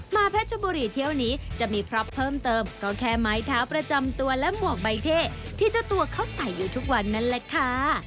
เพชรบุรีเที่ยวนี้จะมีพล็อปเพิ่มเติมก็แค่ไม้เท้าประจำตัวและหมวกใบเท่ที่เจ้าตัวเขาใส่อยู่ทุกวันนั่นแหละค่ะ